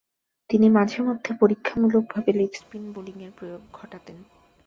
তিনি মাঝে-মধ্যে পরীক্ষামূলকভাবে লেগ স্পিন বোলিংয়ের প্রয়োগ ঘটাতেন।